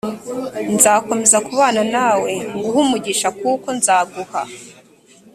nzakomeza kubana nawe nguhe umugisha kuko nzaguha